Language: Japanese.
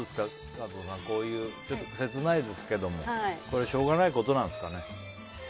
加藤さん切ないですけどもしょうがないことなんですかね。